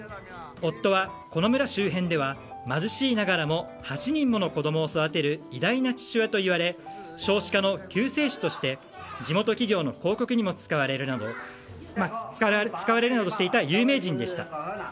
夫は、この村周辺では貧しいながらも８人もの子供を育てる偉大な父親といわれ少子化の救世主として地元企業の広告にも使われるなどしていた有名人でした。